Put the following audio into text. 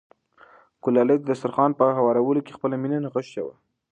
ګلالۍ د دسترخوان په هوارولو کې خپله مینه نغښتې وه.